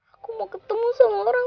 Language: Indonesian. aku mau ketemu sama orang